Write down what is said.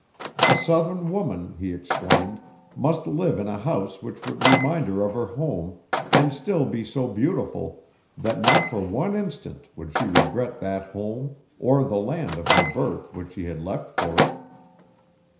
A Southern woman, he explained, must live in a house which would remind her of her home and still be so beautiful that not for one instant would she regret that home or the land of her birth which she had left for it.